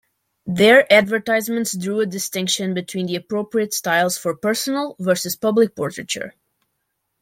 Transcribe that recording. Their advertisements drew a distinction between the appropriate styles for personal versus public portraiture.